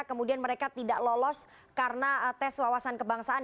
kemudian mereka tidak lolos karena tes wawasan kebangsaan